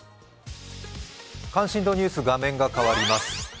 関心度ニュース、画面が変わります。